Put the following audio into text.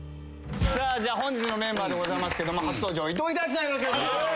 本日のメンバーでございますけども初登場伊藤英明さんよろしくお願いします。